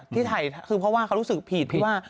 ที่ถ่ายคือเพราะว่าเขารู้สึกผิดพี่ว่า